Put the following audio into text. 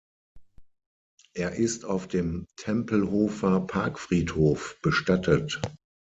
Er ist auf dem Tempelhofer Parkfriedhof bestattet.